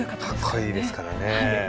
かっこいいですからね。